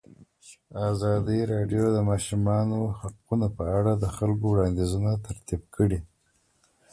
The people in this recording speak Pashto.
ازادي راډیو د د ماشومانو حقونه په اړه د خلکو وړاندیزونه ترتیب کړي.